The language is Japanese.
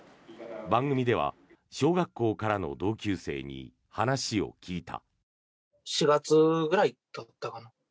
番組では小学校からの同級生に話を聞いた。